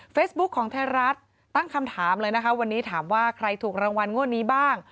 ของไทยรัฐตั้งคำถามเลยนะคะวันนี้ถามว่าใครถูกรางวัลงวดนี้บ้าง